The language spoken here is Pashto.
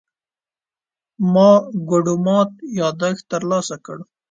ما ګوډو مات يادښت ترلاسه کړ.